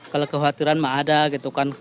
kalau kekhawatiran mah ada gitu kan